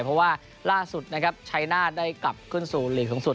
เพราะว่าล่าสุดนะครับชัยนาธได้กลับขึ้นสู่หลีกสูงสุด